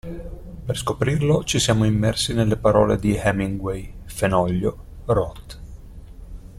Per scoprirlo, ci siamo immersi nelle parole di Hemingway, Fenoglio, Roth.